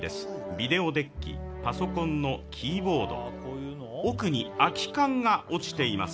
ビデオデッキ、パソコンのキーボード、奥に空き缶が落ちています。